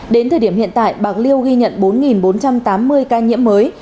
đến thời điểm hiện tại bạc liêu ghi nhận bốn bốn trăm tám mươi ca nhiễm mới